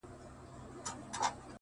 لا هغه سوټک ته څڼي غور ځومه-